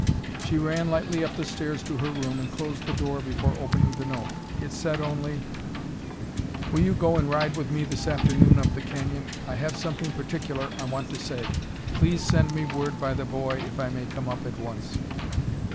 She ran lightly up the stairs to her room and closed the door before opening the note. It said only: "Will you go to ride with me this afternoon up the canyon? I have something particular I want to say. Please send me word by the boy if I may come up at once."